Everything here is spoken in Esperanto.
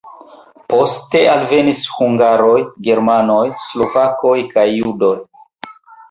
Poste alvenis hungaroj, germanoj, slovakoj kaj judoj.